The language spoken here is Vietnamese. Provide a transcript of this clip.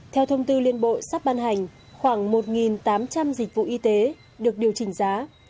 theo thông tư liên bộ sắp ban hành khoảng một tám trăm linh dịch vụ y tế được điều chỉnh giá